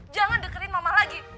jangan dekerin mama lagi